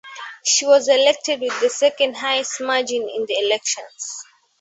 She was elected with the second highest margin in the elections.